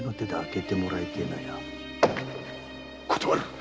断る！